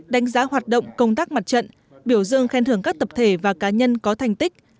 đánh giá hoạt động công tác mặt trận biểu dương khen thưởng các tập thể và cá nhân có thành tích